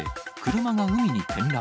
車が海に転落。